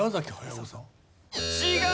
違う！